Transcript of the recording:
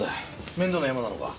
面倒なヤマなのか？